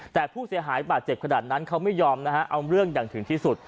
แต่ผู้เสียหายบาดเจ็บขนาดนั้นเขาไม่ยอมนะฮะเอาเรื่องอย่างถึงที่สุด